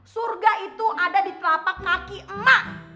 surga itu ada di telapak kaki enam